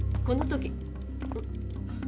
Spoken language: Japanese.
この時ん？